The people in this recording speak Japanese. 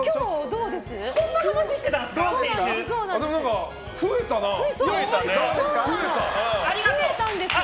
そんな話してたんですか？